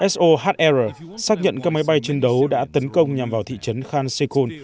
so hard error xác nhận các máy bay chiến đấu đã tấn công nhằm vào thị trấn khan sekol